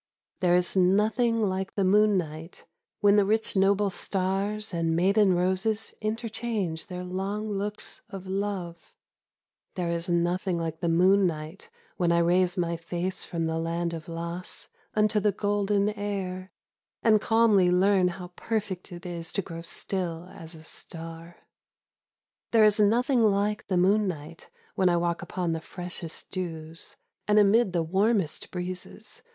There is nothing Like the moon night when the rich noble stars And maiden roses interchange their long looks of love. 40 Under the Moon • There is nothing like the moon night When I raise my face from the land of loss Unto the golden air, and calmly learn How perfect it is to grow still as a star. There is nothing like the moon night When I walk upon the freshest dews, And amid the warmest breezes.